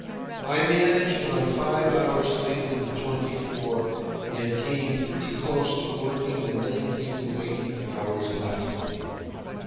I managed on five hours' sleep in the twenty four, and came pretty close to working the nineteen waking hours left to me.